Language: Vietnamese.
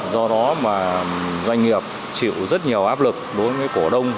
do đó mà doanh nghiệp chịu rất nhiều áp lực đối với cổ đông